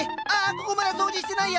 ここまだ掃除してないや。